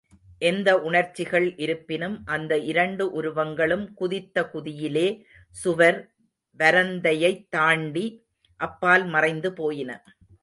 எந்த உணர்ச்சிகள் இருப்பினும் அந்த இரண்டு உருவங்களும் குதித்த குதியிலே, சுவர் வரந்தையைத் தாண்டி அப்பால் மறைந்து போயின.